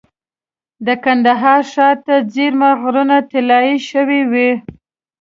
د کندهار ښار ته څېرمه غرونه طلایي شوي وو.